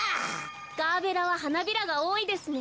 ガーベラははなびらがおおいですね。